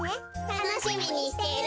たのしみにしてる！